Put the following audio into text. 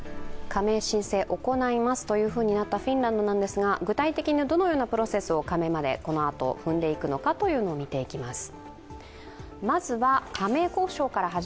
加盟申請、行いますとなったフィンランドなんですが具体的にどのようなプロセスを加盟まで踏んでいくのかというのを見ていきます。